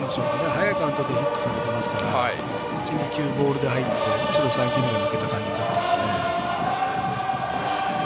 早いカウントでヒット打たれていますから１、２球、ボールで入って３球目は抜けた感じですね。